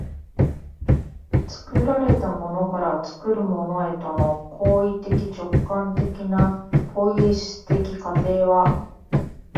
作られたものから作るものへとの行為的直観的なポイエシス的過程は